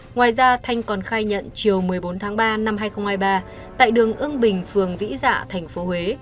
ngoài ra thanh còn khai nhận chiều một mươi bốn tháng ba năm hai nghìn hai mươi ba tại đường ưng bình phường vĩ dạ thành phố huế